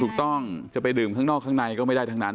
ถูกต้องจะไปดื่มข้างนอกข้างในก็ไม่ได้ทั้งนั้น